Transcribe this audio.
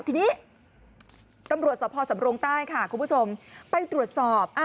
ทีนี้ตำรวจสภสำรงใต้ค่ะคุณผู้ชมไปตรวจสอบ